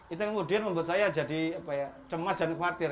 itu yang kemudian membuat saya jadi cemas dan khawatir